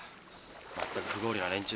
全く不合理な連中。